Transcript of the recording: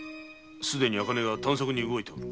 すでに茜が探索に動いている。